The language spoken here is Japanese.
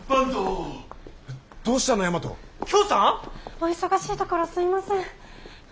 お忙しいところすいません。